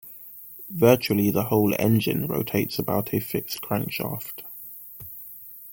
Virtually the whole engine rotates about a fixed crankshaft.